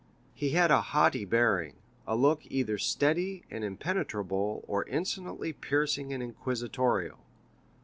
He had a haughty bearing, a look either steady and impenetrable or insolently piercing and inquisitorial.